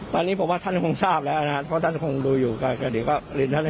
ได้ตามที่เราทำการนะครับ